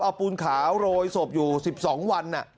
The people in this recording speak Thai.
เอาปูนขาวโรยศพอยู่๑๒วัน